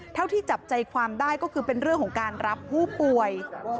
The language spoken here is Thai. เท่าที่จับใจความได้ก็คือเป็นเรื่องของการรับผู้ป่วย